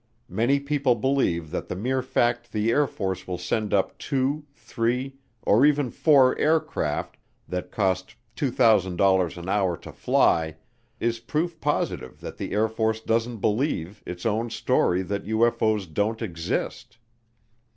Many people believe that the mere fact the Air Force will send up two, three, or even four aircraft that cost $2000 an hour to fly is proof positive that the Air Force doesn't believe its own story that UFO's don't exist.